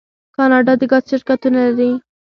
کاناډا د ګاز شرکتونه لري.